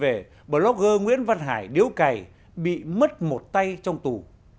với việt nam còn đối chuyện lối trá của bbc về blogger nguyễn văn hải điếu cày bị mất một tay trong tù